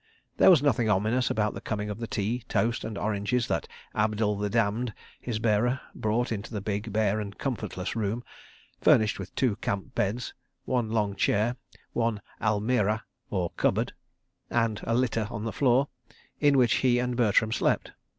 There was nothing ominous about the coming of the tea, toast, and oranges that "Abdul the Damned," his bearer, brought into the big, bare and comfortless room (furnished with two camp beds, one long chair, one almirah and a litter on the floor) in which he and Bertram slept.